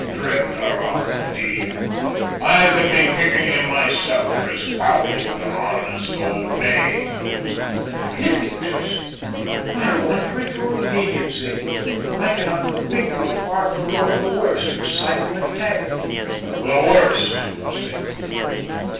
Drimdarroch, indeed! I could be kicking him myself for his fouling of an honest old name." "Kicking!" said she; "I wonder at your leniency. I cannot but think you are far from knowing the worst of Simon MacTaggart." "The worst!" said Doom.